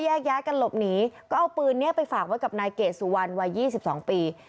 แยกย้ายกันหลบหนีก็เอาปืนนี้ไปฝากไว้กับนายเกดสุวรรณวัย๒๒ปี